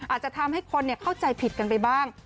อาจจะทำให้คนเข้าใจผิดกันไปบ้าง